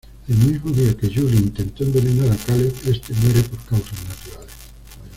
El mismo día que Julie intento envenenar a Caleb, este muere por causas naturales.